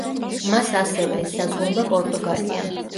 მას ასევე ესაზღვრება პორტუგალია.